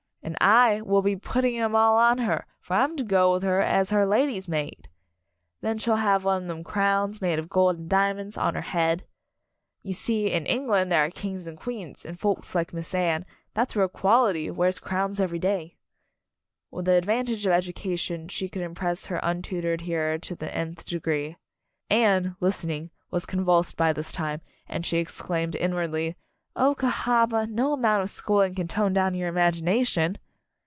"And / will be putting 'em all on her for I'm to go with her as her 'lady's maid'! "Then she'll have one of them crowns, made of gold and diamonds, on her head you see, in England there are Kings and Queens and folks like Miss Anne, that's real quality, wears crowns every day!" With the advantage of education she could impress her untutored hearer to the nth degree. Anne, listening, was convulsed by this time, and she exclaimed inwardly, "Oh, Cahaba, no amount of schooling can tone down your imagination!"